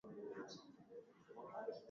leo siambo ambaye kamati linasema